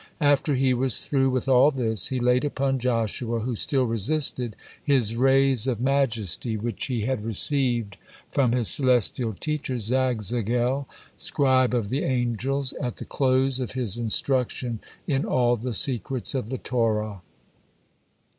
After he was through with all this, he laid upon Joshua, who still resisted, his rays of majesty, which he had received from his celestial teacher Zagzagel, scribe of the angels, at the close of his instruction in all the secrets of the Torah.